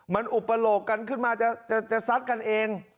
มันอุปโลกกันขึ้นมาจะซัดกันเอง